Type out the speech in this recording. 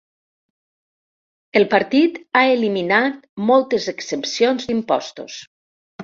El partit ha eliminat moltes exempcions d'impostos.